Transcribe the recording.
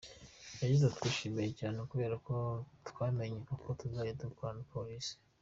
Yagize ati “ Twishimye cyane kubera ko twamenye uko tuzajya dukorana na Polisi.